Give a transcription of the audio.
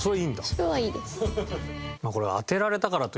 それはいいです。